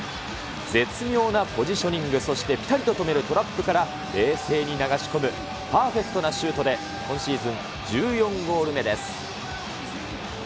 絶妙なポジショニング、そしてぴたりと止めるトラップから冷静に流し込むパーフェクトなシュートで、今シーズン１４ゴール目です。